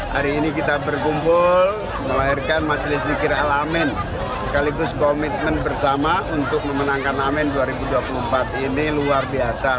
hari ini kita berkumpul melahirkan majelis zikir al amin sekaligus komitmen bersama untuk memenangkan amin dua ribu dua puluh empat ini luar biasa